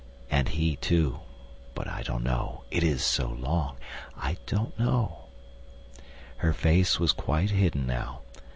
And he, too but I don't know it is so long I don't know!" Her face was quite hidden now.